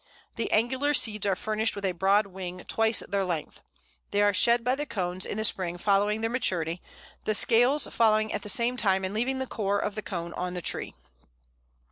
The angular seeds are furnished with a broad wing twice their length. They are shed by the cones in the spring following their maturity, the scales falling at the same time and leaving the core of the cone on the tree.